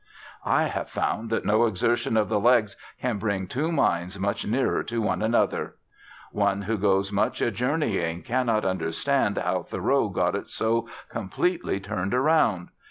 "I have found that no exertion of the legs can bring two minds much nearer to one another!" One who goes much a journeying cannot understand how Thoreau got it so completely turned around.